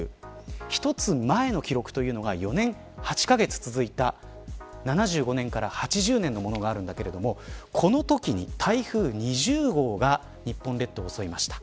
一つ前の記録というのが４年８カ月続いた７５年から８０年のものがありますがこのときに台風２０号が日本列島を襲いました。